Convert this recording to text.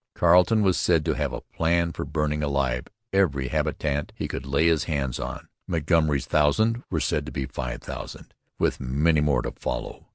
Carleton was said to have a plan for burning alive every habitant he could lay his hands on. Montgomery's thousand were said to be five thousand, with many more to follow.